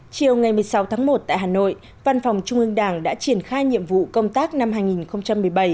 chiều ngày một mươi sáu tháng một tại hà nội văn phòng trung ương đảng đã triển khai nhiệm vụ công tác năm hai nghìn một mươi bảy